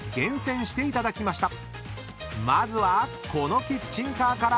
［まずはこのキッチンカーから］